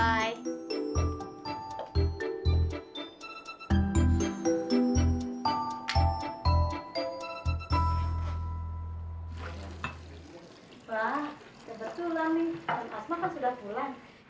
wah sudah berjualan nih asma kan sudah pulang